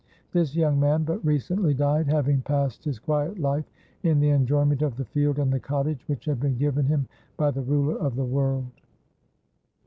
This young man but recently died, having passed his quiet hfe in the enjoyment of the field and the cottage which had been given him by the ruler of the world.